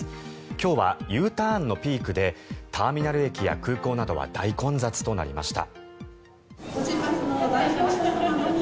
今日はＵターンのピークでターミナル駅や空港などは大混雑となりました。